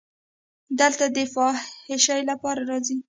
دلته د فحاشۍ لپاره راځي.